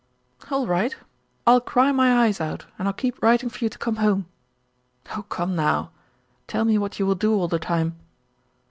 "All right. I'll cry my eyes out, and I'll keep writing for you to come home." "Oh, come now! Tell me what you will do all the time."